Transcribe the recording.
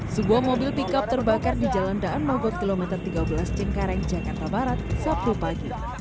sebuah mobil pickup terbakar di jalan daan mogot kilometer tiga belas cengkareng jakarta barat sabtu pagi